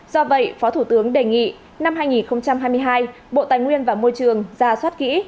do vậy phó thủ tướng đề nghị năm hai nghìn hai mươi hai bộ tài nguyên và môi trường ra soát kỹ